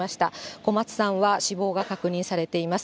小松さんは死亡が確認されています。